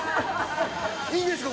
いいんですか？